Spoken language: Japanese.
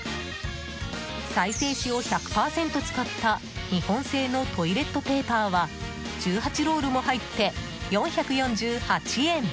再生紙を１００％使った日本製のトイレットペーパーは１８ロールも入って、４４８円。